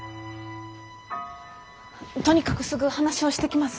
とにかくすぐ話をしてきます。